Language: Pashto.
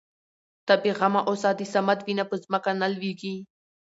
ته بې غمه اوسه د صمد وينه په ځمکه نه لوېږي.